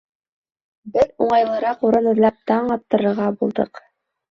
Бер уңайлыраҡ урын эҙләп таң аттырырға булдыҡ.